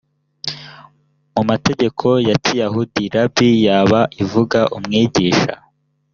mu mategeko ya kiyahudi rabi yaba ivuga mwigisha